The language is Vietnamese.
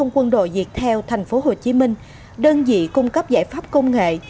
quân đội diệt theo tp hcm đơn vị cung cấp giải pháp công nghệ